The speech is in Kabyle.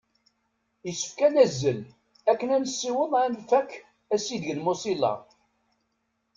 Issefk ad nazzel akken ad nessiweḍ ad nfak asideg n Mozilla.